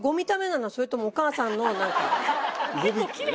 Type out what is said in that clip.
それともお母さんの何かなの？